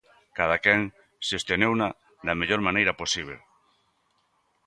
Cada quen xestionouna da mellor maneira posíbel.